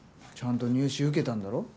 ちゃんと入試受けたんだろ。